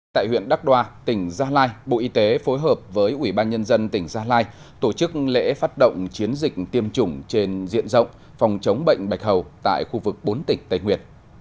tại huyện đắk đoa tỉnh gia lai bộ y tế phối hợp với ủy ban nhân dân tỉnh gia lai tổ chức lễ phát động chiến dịch tiêm chủng trên diện rộng phòng chống bệnh bạch hầu tại khu vực bốn tỉnh tây nguyệt